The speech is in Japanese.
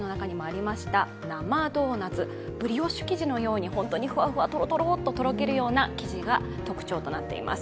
ブリオッシュ生地のように本当にふわふわとろとろととろけるような生地が特徴となっています。